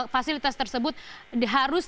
fasilitas tersebut harus